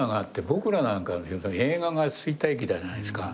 僕らなんか映画が衰退期だったじゃないですか。